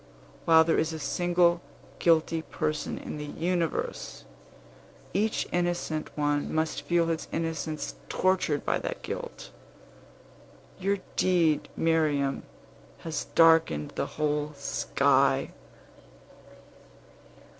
While there is a single guilty person in the universe, each innocent one must feel his innocence tortured by that guilt. Your deed, Miriam, has darkened the whole sky!"